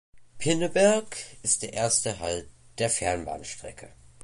Pinneberg ist der erste Halt der Fernbahnstrecke.